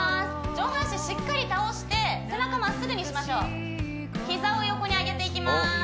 上半身しっかり倒して背中まっすぐにしましょう膝を横に上げていきます